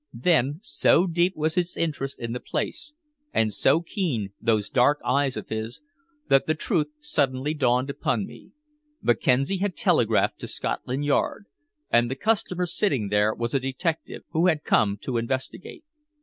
Then so deep was his interest in the place, and so keen those dark eyes of his, that the truth suddenly dawned upon me. Mackenzie had telegraphed to Scotland Yard, and the customer sitting there was a detective who had come to investigate.